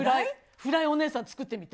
フライ、お姉さん、作ってみて。